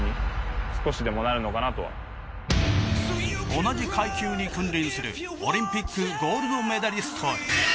同じ階級に君臨するオリンピックゴールドメダリスト。